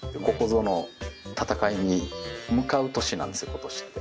今年って。